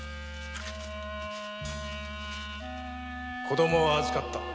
子供は預かった。